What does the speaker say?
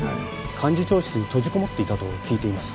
幹事長室に閉じ籠もっていたと聞いています。